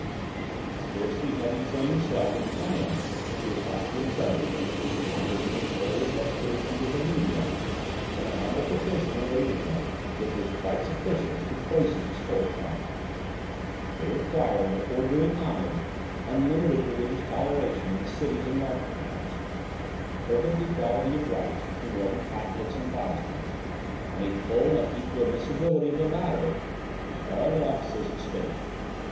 Scarcely had he shown himself in triumph to his Austrian subjects, after his victorious expedition to Bohemia, when a humble petition awaited him which was quite sufficient to poison his whole triumph. They required, before doing homage, unlimited religious toleration in the cities and market towns, perfect equality of rights between Roman Catholics and Protestants, and a full and equal admissibility of the latter to all offices of state.